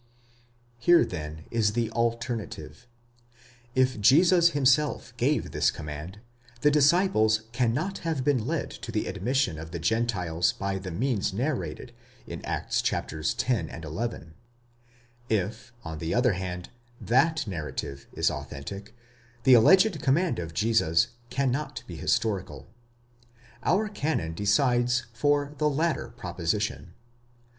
Here, then, is the alternative: if Jesus himself gave this com mand, the disciples cannot have been led to the admission of the Gentiles by the means narrated in Acts x., xi.; if, on the other hand, that narrative is authentic, the alleged command of Jesus cannot be historical. Our canon decides for the latter proposition.